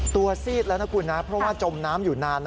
ซีดแล้วนะคุณนะเพราะว่าจมน้ำอยู่นาน